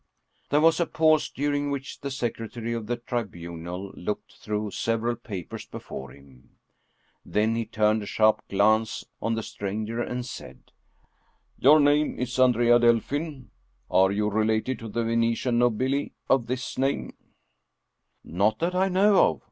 There was a pause, during which the secretary of the Tribunal looked through several papers before him. Then he turned a sharp glance on the stranger and said :" Your name is Andrea Delfin. Are you related to the Venetian nobili of this name?" 61 German Mystery Stories " Not that I know of.